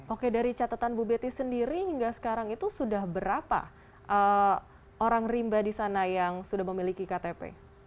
oke dari catatan bu betty sendiri hingga sekarang itu sudah berapa orang rimba di sana yang sudah memiliki ktp